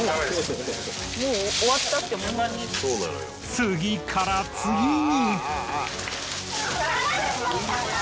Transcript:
次から次に。